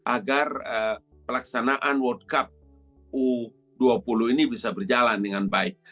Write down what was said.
agar pelaksanaan world cup u dua puluh ini bisa berjalan dengan baik